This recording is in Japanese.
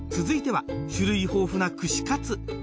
続いては種類豊富な串かつ。